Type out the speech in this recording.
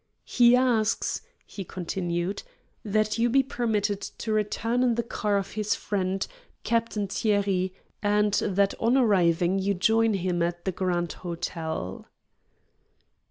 "He asks," he continued, "that you be permitted to return in the car of his friend, Captain Thierry, and that on arriving you join him at the Grand Hôtel."